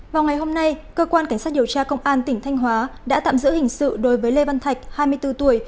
vào ngày hôm nay cơ quan cảnh sát điều tra công an tỉnh thanh hóa đã tạm giữ hình sự đối với lê văn thạch hai mươi bốn tuổi